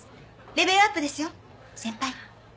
レベルアップですよ先輩」